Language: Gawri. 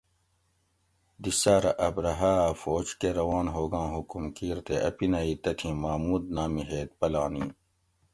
دی ساۤرہ ابرھہ اۤ فوج کہ روان ھوگاں حکم کیر تے اپینہ ای تتھی محمود نامی ھیت پلانی